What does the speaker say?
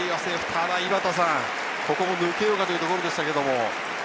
ただ、ここも抜けようかというところでした。